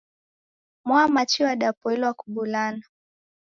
Mwamachi wadapoilwa kubulana.